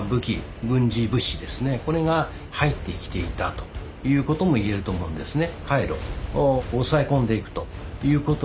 ということも言えると思うんですね。